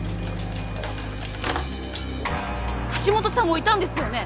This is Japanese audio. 橋本さんもいたんですよね？